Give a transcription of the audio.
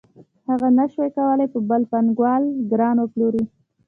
هغه نشوای کولی په بل پانګوال ګران وپلوري